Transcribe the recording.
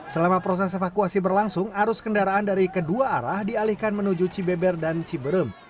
selama proses evakuasi berlangsung arus kendaraan dari kedua arah dialihkan menuju cibeber dan ciberem